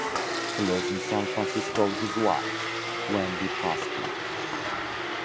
He lives in San Francisco with his wife, Wendy Paskin.